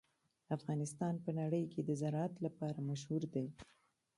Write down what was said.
افغانستان په نړۍ کې د زراعت لپاره مشهور دی.